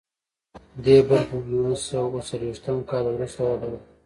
دې برخې له نولس سوه اوه څلویښتم کال وروسته وده وکړه.